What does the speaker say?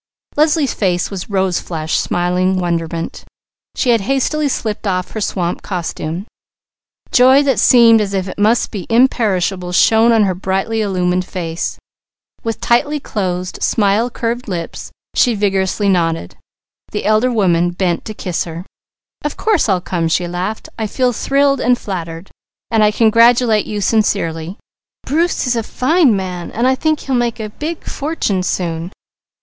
Leslie's face was rose flushed smiling wonderment. She had hastily slipped off her swamp costume. Joy that seemed as if it must be imperishable shone on her brightly illumined face. With tightly closed, smile curved lips she vigorously nodded. The elder woman bent to kiss her. "Of course I'll come!" she laughed. "I feel thrilled, and flattered. And I congratulate you sincerely. Bruce is a fine man. He'll make a big fortune soon."